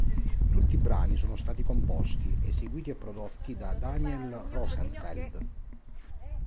Tutti i brani sono stati composti, eseguiti e prodotti da Daniel Rosenfeld.